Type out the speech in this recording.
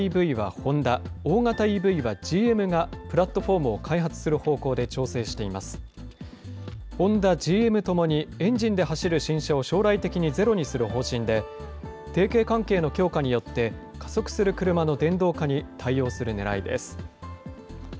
ホンダ、ＧＭともに、エンジンで走る車を将来的にゼロにする方針で、提携関係の強化によって、加速する車の電動化に対応するねらいです。